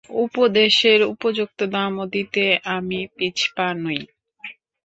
উপদেশের উপযুক্ত দামও দিতে আমি পিছপা নই।